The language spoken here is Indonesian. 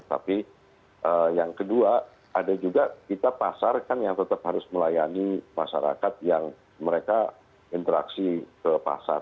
tapi yang kedua ada juga kita pasar kan yang tetap harus melayani masyarakat yang mereka interaksi ke pasar